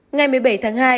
ngày một mươi bảy tháng hai